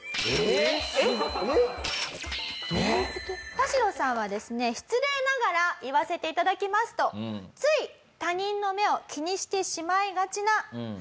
タシロさんはですね失礼ながら言わせて頂きますとつい他人の目を気にしてしまいがちな。